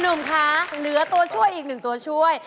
หนุ่มคะเหลือตัวช่วยอีกหนึ่งตัวช่วย